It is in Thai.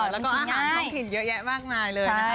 แล้วก็อาหารท้องถิ่นเยอะแยะมากมายเลยนะคะ